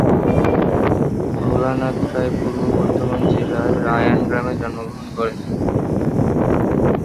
ভোলানাথ রায় পূর্ব বর্ধমান জেলার রায়ান গ্রামে জন্মগ্রহন করেন।